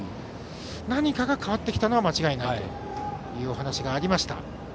何かが変わってきたのは間違いないというお話がありました。